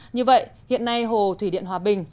như vậy hiện nay hồ thủy điện hòa bình